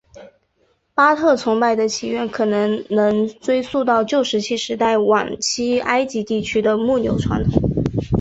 巴特崇拜的起源可能能追溯到旧石器时代晚期埃及地区的牧牛传统。